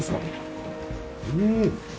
うん！